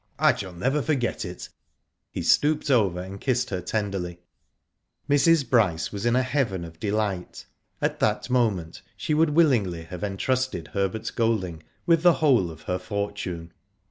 I shall never forget it." He stooped over her and kissed her tenderly. Mrs. Bryce was in a heaven of delight. At that moment she would willingly have entrusted Herbert Golding with the whole of her fortune.